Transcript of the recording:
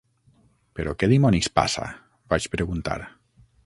Però, què dimonis passa? —vaig preguntar.